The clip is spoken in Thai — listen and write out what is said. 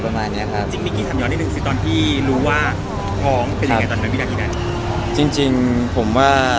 บางทีเราคู่ไม่ออกอ่ะนะครับ